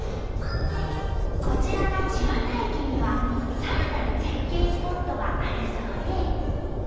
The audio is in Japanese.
こちらの千綿駅にはさらなる絶景スポットがあるそうで。